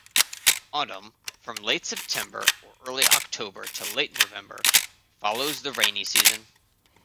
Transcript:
Autumn, from late September or early October to late November, follows the rainy season.